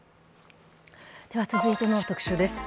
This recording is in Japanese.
続いての特集です。